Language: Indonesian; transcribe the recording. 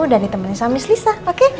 dan ditemani sama miss lisa oke